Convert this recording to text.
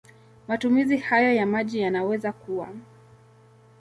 Matumizi hayo ya maji yanaweza kuwa